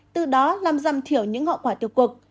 từ đó làm rằm thiểu những hậu quả tiêu cực